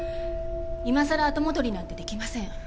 今さら後戻りなんて出来ません。